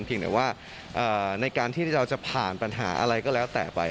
แต่ว่าในการที่เราจะผ่านปัญหาอะไรก็แล้วแต่ไป